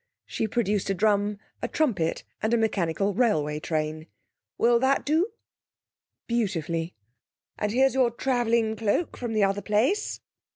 She produced a drum, a trumpet, and a mechanical railway train. 'Will that do?' 'Beautifully.' 'And here's your travelling cloak from the other place.'